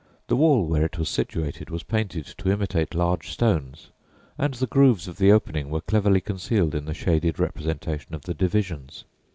The wall where it was situated was painted to imitate large stones, and the grooves of the opening were cleverly concealed in the shaded representations of the divisions.